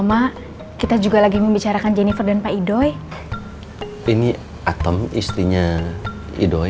ma kita juga lagi membicarakan jennifer dan pak idoi ini atem istrinya idoi